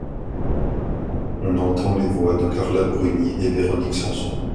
On entend les voix de Carla Bruni et Véronique Sanson.